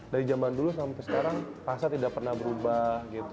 dari zaman dulu sampai sekarang rasa tidak pernah berubah gitu